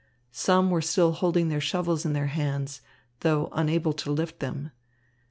Some were still holding their shovels in their hands, though unable to lift them.